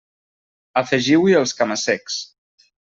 Afegiu-hi els cama-secs.